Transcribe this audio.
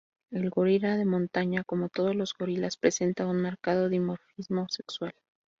El gorila de montaña, como todos los gorilas, presenta un marcado dimorfismo sexual.